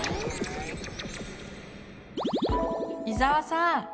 伊沢さん